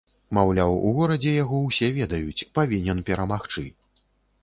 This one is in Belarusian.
Маўляў, у горадзе яго ўсе ведаюць, павінен перамагчы.